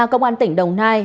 công an tỉnh đồng nai